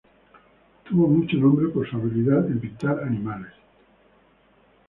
Tuvo mucho nombre por su habilidad en pintar animales.